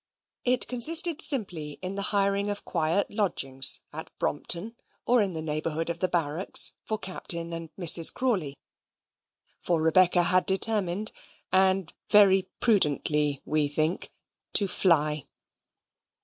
It consisted simply in the hiring of quiet lodgings at Brompton, or in the neighbourhood of the barracks, for Captain and Mrs. Crawley. For Rebecca had determined, and very prudently, we think, to fly.